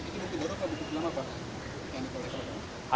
bukti baru atau bukti lama